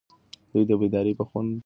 دی د بیدارۍ په خوند پوه شو.